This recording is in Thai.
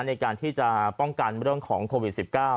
ในการที่จะป้องกันเรื่องของโควิด๑๙